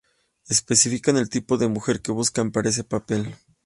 Especifican el tipo de mujer que buscan para ese papel.